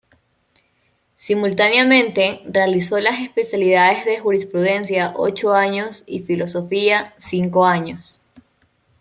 Simultáneamente realizó las especialidades de Jurisprudencia, ocho años y Filosofía, cinco años.